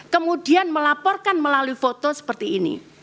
kemudian melaporkan melalui foto seperti ini